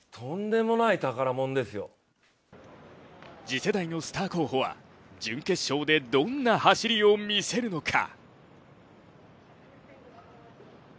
次世代のスター候補は準決勝でどんな走りを見せるのか。